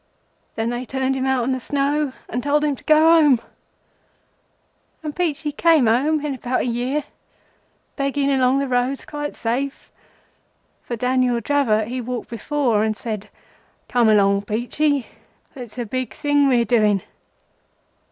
Then they turned him out on the snow, and told him to go home, and Peachey came home in about a year, begging along the roads quite safe; for Daniel Dravot he walked before and said:—'Come along, Peachey. It's a big thing we're doing.